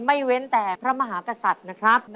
เว้นแต่พระมหากษัตริย์นะครับ